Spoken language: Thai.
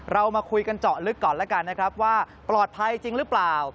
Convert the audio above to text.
เรามาคุยกันเจาะลึกก่อนแล้วกันนะครับว่าปลอดภัยจริงหรือเปล่า